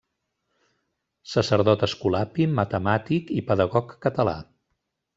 Sacerdot escolapi, matemàtic i pedagog català.